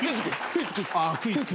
ああクイズ。